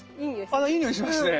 ああいいにおいしますね。